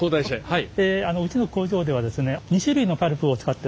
はい。